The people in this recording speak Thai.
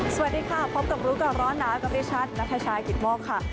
สวัสดีค่ะพบกับรู้ก่อนร้อนหนาวกับดิฉันนัทชายกิตโมกค่ะ